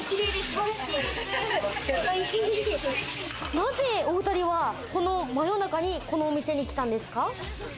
なぜお２人はこの真夜中に、このお店に来たんですか？